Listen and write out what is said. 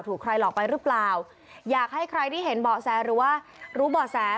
ถูกใครหลอกไปหรือเปล่าอยากให้ใครที่เห็นเบาะแสหรือว่ารู้เบาะแส